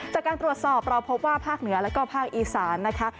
จากการตรวจสอบเราพบว่าภาคเหนือแล้วก็ภาคอีสานนะคะ